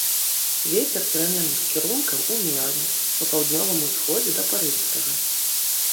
Вецер пераменных кірункаў умераны, па паўднёвым усходзе да парывістага.